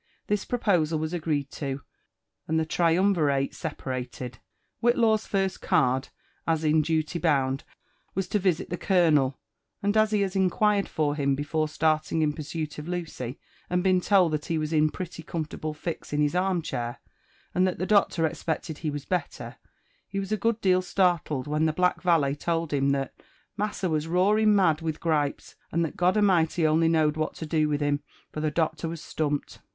This proposal was agreed to, and the triumvirate separated. Whitlaw's first card, as in duty bound, was to visit the colonel; and as he had inquired for him before starting in pursuit of Lucy«aod been told that he was in a pretty copirortable fix in bis arm chair, and that the doctor expected he was better, he was a good deal startled when the bUck valet^ told hia> that '' massa was roaring n^ad wid g;ripcs," and that *' God A'mighty only knowed what to do wid him, for the doctor was stumped."